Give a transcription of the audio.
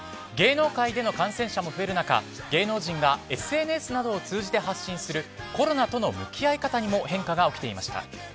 芸能界での感染者も増える中芸能人がＳＮＳなどを通じて発信するコロナとの向き合い方にも変化が起きていました。